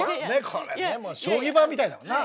これでも将棋盤みたいだもんなあ？